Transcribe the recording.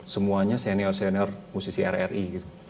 semuanya senior senior musisi rri